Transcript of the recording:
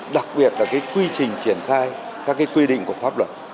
đặc biệt là cái quy trình triển khai các quy định của pháp luật